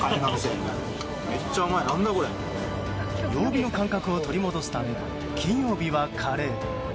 曜日の感覚を取り戻すため金曜日はカレー。